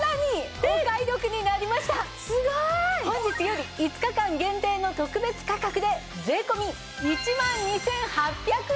すごい！本日より５日間限定の特別価格で税込１万２８００円。